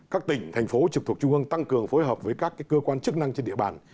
các tỉnh thành phố trực thuộc trung ương tăng cường phối hợp với các cơ quan chức năng trên địa bàn